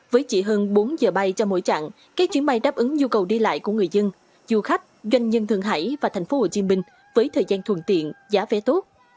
với chỉ hơn bốn giờ bay cho mỗi trạng các chuyến bay đáp ứng nhu cầu đi lại của người dân du khách doanh nhân thượng hải và thành phố hồ chí minh với thời gian thuần tiện giá vé tốt